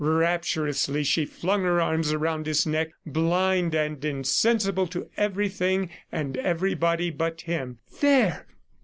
Rapturously she flung her arms around his neck, blind and insensible to everything and everybody but him. "There.